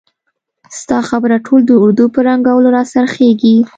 ستا خبره ټول د اردو په ړنګولو را څرخیږي!